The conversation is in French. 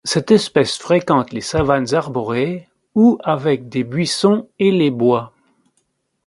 Cette espèce fréquente les savanes arborées ou avec des buissons et les bois.